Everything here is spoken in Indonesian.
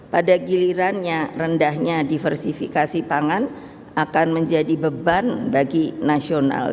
pada gilirannya rendahnya diversifikasi pangan akan menjadi beban bagi nasional